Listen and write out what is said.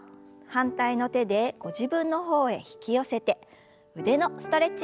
反対の手でご自分の方へ引き寄せて腕のストレッチです。